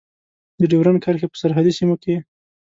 د ډیورند کرښې په سرحدي سیمو کې.